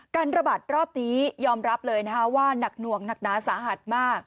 การระบาดตอนนี้ยอมรับว่านักหนวงนักน้าสาหัตุมาก